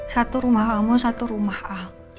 satu rumah kamu satu rumah